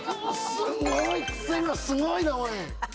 すごいクセがすごいなおい！